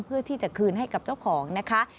เพื่อที่จะคืนให้กับเจ้าของนะคะ